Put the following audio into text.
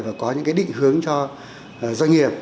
và có những cái định hướng cho doanh nghiệp